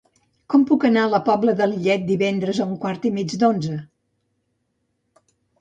Com puc anar a la Pobla de Lillet divendres a un quart i mig d'onze?